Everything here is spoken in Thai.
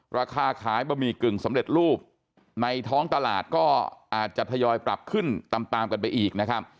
ราคาขายบะหมี่กึ่งสำเร็จรูปในท้องตลาดก็อาจจะทยอยปรับขึ้นตามตามกันไปอีกนะครับ